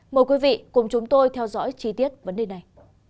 mời quý vị cùng chúng tôi theo dõi chi tiết vấn đề này